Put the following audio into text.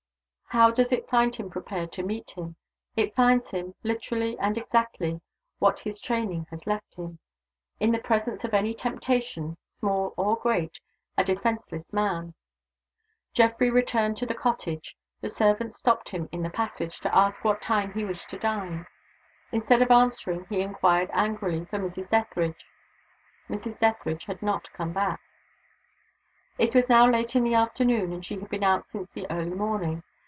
How does it find him prepared to meet it? It finds him, literally and exactly, what his training has left him, in the presence of any temptation small or great a defenseless man. Geoffrey returned to the cottage. The servant stopped him in the passage, to ask at what time he wished to dine. Instead of answering, he inquired angrily for Mrs. Dethridge. Mrs. Dethridge not come back. It was now late in the afternoon, and she had been out since the early morning.